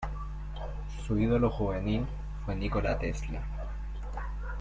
Su ídolo juvenil fue Nikola Tesla.